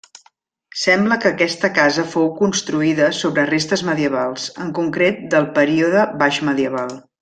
Sembla que aquesta casa fou construïda sobre restes medievals, en concret del període baixmedieval.